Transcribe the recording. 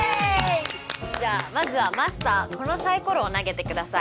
じゃあまずはマスターこのサイコロを投げてください。